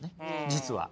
実は。